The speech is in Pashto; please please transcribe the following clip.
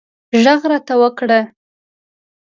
غږ راته وکړه